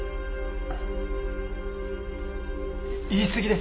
言い過ぎです。